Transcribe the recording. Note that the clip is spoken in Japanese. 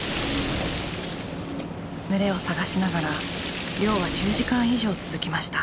群れを探しながら漁は１０時間以上続きました。